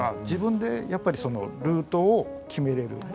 自分でやっぱりそのルートを決めれる。